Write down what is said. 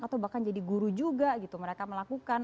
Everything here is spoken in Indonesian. atau bahkan jadi guru juga gitu mereka melakukan